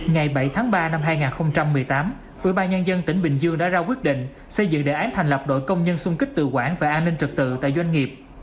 ngày bảy tháng ba năm hai nghìn một mươi tám ủy ban nhân dân tỉnh bình dương đã ra quyết định xây dựng đề án thành lập đội công nhân xung kích tự quản và an ninh trật tự tại doanh nghiệp